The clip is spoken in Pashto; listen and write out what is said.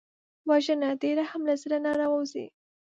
وژنه د رحم له زړه نه را نهوزي